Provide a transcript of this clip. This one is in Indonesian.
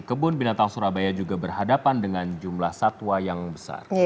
kebun binatang surabaya juga berhadapan dengan jumlah satwa yang besar